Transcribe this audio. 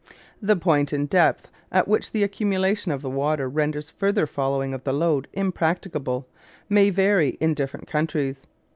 The point in depth at which the accumulation of the water renders further following of the lode impracticable may vary in different countries.